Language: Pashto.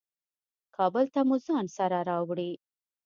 کابل ته مو ځان سره راوړې.